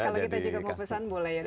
kalau kita juga mau pesan boleh ya